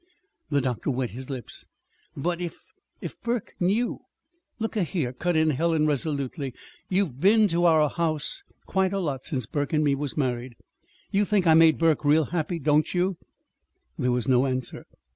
The doctor wet his lips. "But, if if Burke knew " "Look a here," cut in Helen resolutely, "you've been to our house quite a lot since Burke and me was married. You think I made Burke real happy, don't you?" There was no answer.